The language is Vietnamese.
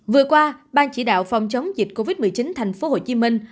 vừa qua ban chỉ đạo phòng chống dịch covid một mươi chín thành phố hồ chí minh